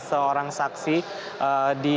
seorang saksi di